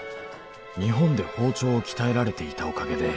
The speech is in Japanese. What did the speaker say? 「日本で包丁を鍛えられていたおかげで」